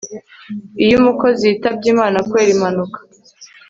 iyo umukozi yitabye imana kubera impanuka